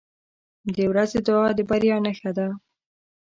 • د ورځې دعا د بریا نښه ده.